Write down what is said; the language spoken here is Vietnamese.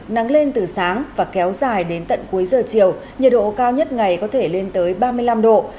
nắng lên từ sáng và kéo dài đến tận cuối giờ chiều nhiệt độ cao nhất ngày có thể lên tới ba mươi năm độ